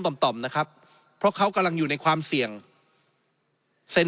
ต่อมนะครับเพราะเขากำลังอยู่ในความเสี่ยงเซ็น